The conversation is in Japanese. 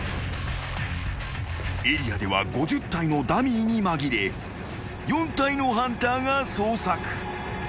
［エリアでは５０体のダミーに紛れ４体のハンターが捜索］